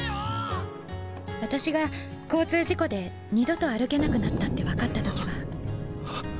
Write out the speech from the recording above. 私が交通事故で二度と歩けなくなったって分かった時はあ。